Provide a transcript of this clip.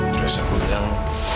terus aku bilang